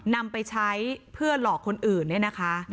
นำไปใช้เพื่อหลอกคนอื่นเนี่ยนะคะ